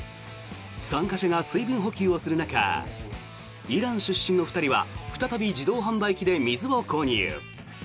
参加者が水分補給をする中イラン出身の２人は再び自動販売機で水を購入。